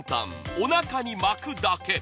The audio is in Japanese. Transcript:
おなかに巻くだけ。